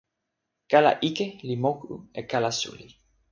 kala ike li moku e kala suli.